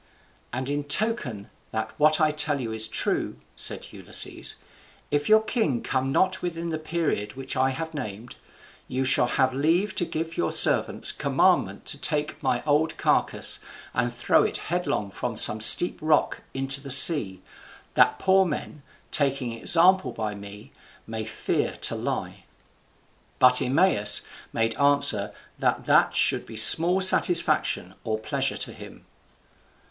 "And in token that what I tell you is true," said Ulysses, "if your king come not within the period which I have named, you shall have leave to give your servants commandment to take my old carcass, and throw it headlong from some steep rock into the sea, that poor men, taking example by me, may fear to lie." But Eumaeus made answer that that should be small satisfaction or pleasure to him.